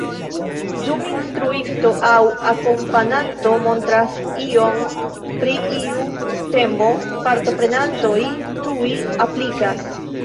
Dum instruisto aŭ akompananto montras ion pri iu temo, partoprenantoj tuj aplikas.